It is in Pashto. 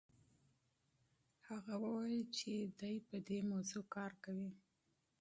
هغه وویل چې دی په دې موضوع کار کوي.